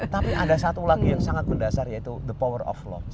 tapi ada satu lagi yang sangat mendasar yaitu the power of law